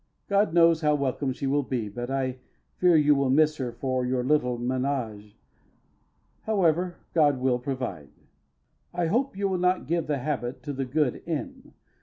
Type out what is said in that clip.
God knows how welcome she will be, but I fear you will miss her for your little ménage: however, God will provide. I hope you will not give the habit to the good N.